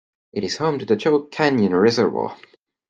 It is home to the Choke Canyon Reservoir.